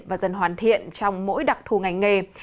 và dần hoàn thiện trong mỗi đặc thù ngành nghề